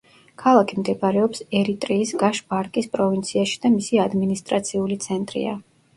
ქალაქი მდებარეობს ერიტრეის გაშ-ბარკის პროვინციაში და მისი ადმინისტრაციული ცენტრია.